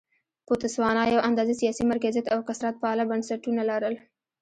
بوتسوانا یو اندازه سیاسي مرکزیت او کثرت پاله بنسټونه لرل.